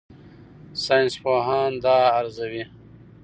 ساینسپوهان دا ارزوي.